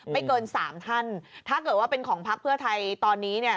เกินสามท่านถ้าเกิดว่าเป็นของพักเพื่อไทยตอนนี้เนี่ย